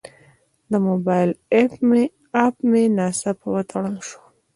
د موبایل اپ مې ناڅاپه وتړل شو.